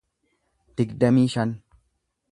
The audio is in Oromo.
digdamii shan